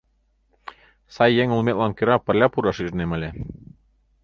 Сай еҥ улметлан кӧра пырля пураш ӱжнем ыле.